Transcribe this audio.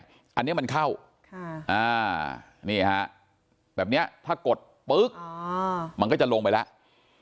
อันนี้มันเข้านี่ฮะแบบนี้ถ้ากดปึ๊กมันก็จะลงไปแล้ว